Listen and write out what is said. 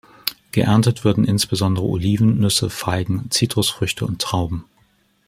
Geerntet würden insbesondere Oliven, Nüsse, Feigen, Zitrusfrüchte und Trauben.